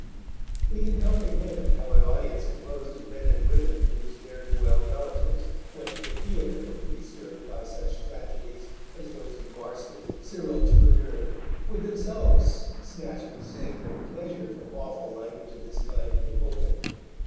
We can comprehend how an audience composed of men and women whose ne'er do weel relatives went to the theatre to be stirred by such tragedies as those of Marston and Cyril Tourneur would themselves snatch a sacred pleasure from awful language of this kind in the pulpit.